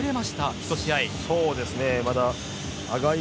１試合。